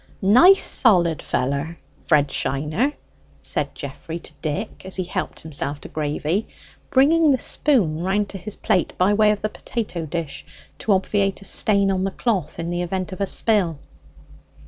"Nice solid feller, Fred Shiner!" said Geoffrey to Dick as he helped himself to gravy, bringing the spoon round to his plate by way of the potato dish, to obviate a stain on the cloth in the event of a spill.